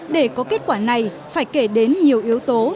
để có kết quả này phải kể đến nhiều yếu tố